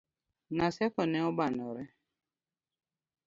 Naseko ne obanore